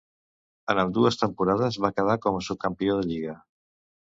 En ambdues temporades va quedar com a subcampió de lliga.